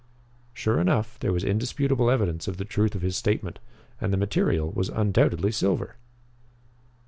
Sure enough, there was indisputable evidence of the truth of his statement. And the material was undoubtedly silver!